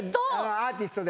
アーティストで。